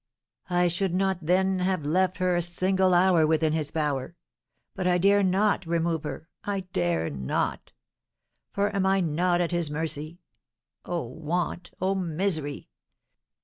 I should not then have left her a single hour within his power; but I dare not remove her, I dare not! For am I not at his mercy? Oh, want! oh, misery!